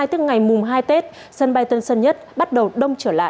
tức ngày mùng hai tết sân bay tân sơn nhất bắt đầu đông trở lại